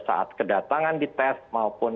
saat kedatangan di tes maupun